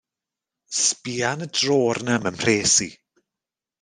Sbïa yn y drôr 'na am 'y mhres i.